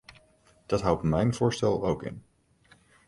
Dat houdt mijn voorstel ook in.